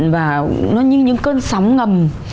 và nó như những cơn sóng ngầm